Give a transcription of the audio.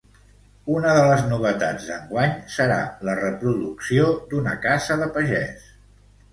Una de les novetats d'enguany serà la reproducció d'una casa de pagès.